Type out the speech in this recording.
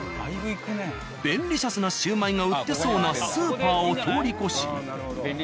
便利シャスなシュウマイが売ってそうなスーパーを通り越し。